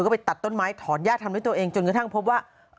ก็ไปตัดต้นไม้ถอนญาติทำให้ตัวเองจนกระทั่งพบว่า